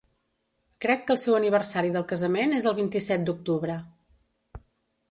Crec que el seu aniversari del casament és el vint-i-set d'octubre